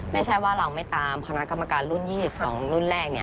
ไม่ใช่ว่าเราไม่ตามคณะกรรมการรุ่น๒๒รุ่นแรก